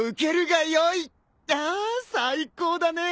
あ最高だね！